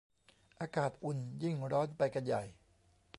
อากาศอุ่น ยิ่งร้อนไปกันใหญ่